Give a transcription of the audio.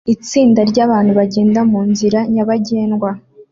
Itsinda ryabantu bagenda munzira nyabagendwa